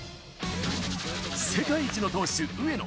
世界一の投手、上野。